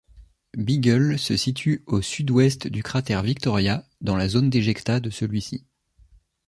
Beagle se situe au sud-ouest du cratère Victoria, dans la zone d'éjecta de celui-ci.